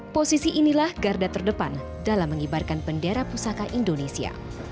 posisi inilah garda terdepan dalam mengibarkan bendera pusaka indonesia